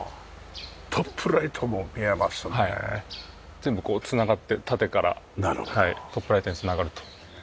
全部こう繋がって縦からトップライトに繋がると。